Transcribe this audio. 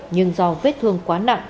nhưng do vết thương quá nặng